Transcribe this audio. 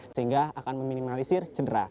sehingga akan meminimalisir cedera